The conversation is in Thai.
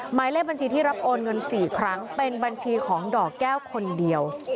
หมายเลขบัญชีที่รับโอนเงิน๔ครั้งเป็นบัญชีของดอกแก้วคนเดียว